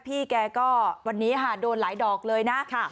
พี่แกก็วันนี้ค่ะโดนหลายดอกเลยนะ